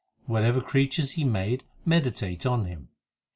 Whatever creatures He made meditate on Him.